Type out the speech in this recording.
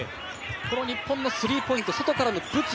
日本のスリーポイント外からの武器。